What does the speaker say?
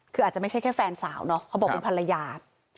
คืออาจจะไม่ใช่แค่แฟนสาวเนาะเขาบอกเป็นภรรยา